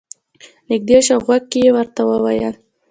نږدې شو او غوږ کې یې ورته وویل.